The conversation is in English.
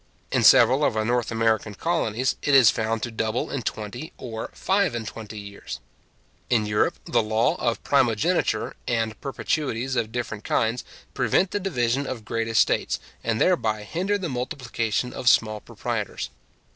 In several of our North American colonies, it is found to double in twenty or five and twenty years. In Europe, the law of primogeniture, and perpetuities of different kinds, prevent the division of great estates, and thereby hinder the multiplication of small proprietors.